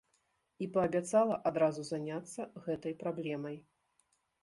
І паабяцала адразу заняцца гэтай праблемай.